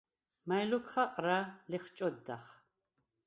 “მაჲ ლოქ ხაყრა?” ლეხჭოდდახ.